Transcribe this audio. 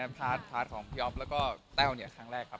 พาร์ทของพี่อ๊อฟแล้วก็แต้วเนี่ยครั้งแรกครับ